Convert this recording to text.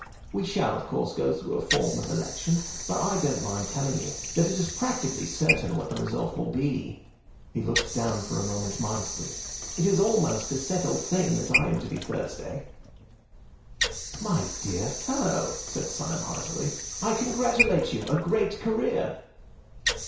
We shall, of course, go through a form of election; but I don't mind telling you that it is practically certain what the result will be." He looked down for a moment modestly. "It is almost a settled thing that I am to be Thursday." "My dear fellow." said Syme heartily, "I congratulate you. A great career!"